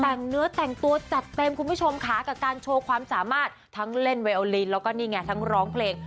แต่งเนื้อแต่งตัวจัดเต็มคุณผู้ชมค่ะกับการโชว์ความสามารถทั้งเล่นไวโอลินแล้วก็นี่ไงทั้งร้องเพลง